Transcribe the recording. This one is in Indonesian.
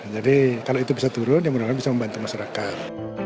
jadi kalau itu bisa turun yang menurut saya bisa membantu masyarakat